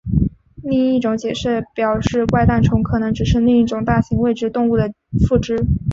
另一种解释表示怪诞虫可能只是另一种大型未知动物的附肢。